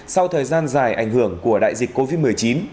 sau thời gian dài ảnh hưởng của đại dịch covid một mươi chín